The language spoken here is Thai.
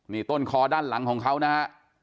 นี่ต้นคอด้านหลังของเขานะฮะ